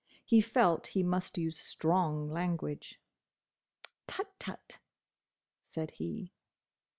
He felt he must use strong language. "Tut, tut!" said he.